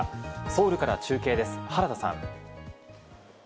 ソウルから中継です、原田さん。